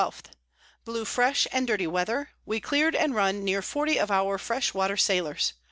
_ Blew fresh, and dirty Weather; we clear'd and run near forty of our fresh water Sailors.